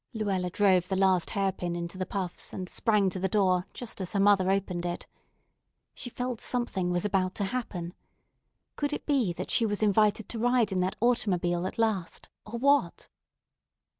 Luella drove the last hairpin into the puffs, and sprang to the door just as her mother opened it. She felt something was about to happen. Could it be that she was to be invited to ride in that automobile at last, or what?